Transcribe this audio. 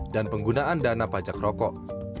dan penggunaan dana pajak rokok